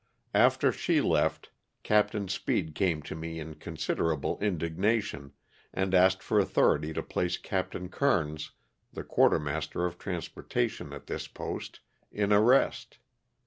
"After she left Capt. Speed came to me in considerable indignation and asked for authority to place Capt. Kernes, the quartermaster of transportation at this post, in arrest.